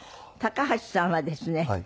高橋さんはですね